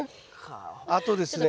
あとですね